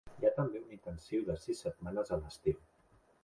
Hi ha també un intensiu de sis setmanes a l'estiu.